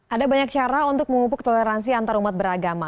ada banyak cara untuk mengupuk toleransi antar umat beragama